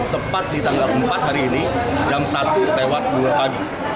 tepat di tanggal empat hari ini jam satu lewat dua pagi